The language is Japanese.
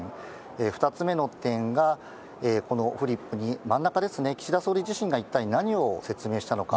２つ目の点が、このフリップに、真ん中ですね、岸田総理自身が一体何を説明したのか。